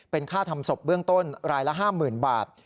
เป็นค่าทำศพเบื้องต้นรายละ๕๐๐๐บาท